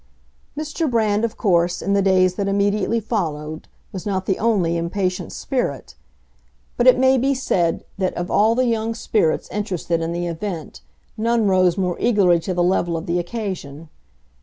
Mr. Brand, of course, in the days that immediately followed, was not the only impatient spirit; but it may be said that of all the young spirits interested in the event none rose more eagerly to the level of the occasion.